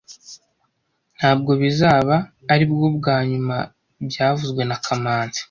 Ntabwo bizaba aribwo bwa nyuma byavuzwe na kamanzi